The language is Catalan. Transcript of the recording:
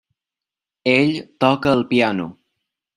Ell toca el piano.